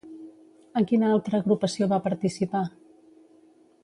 En quina altra agrupació va participar?